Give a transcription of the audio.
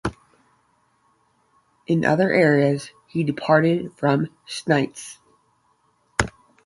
In other areas he departed from Steinitz.